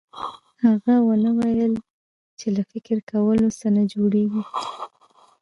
هغه ونه ويل چې له فکر کولو څه نه جوړېږي.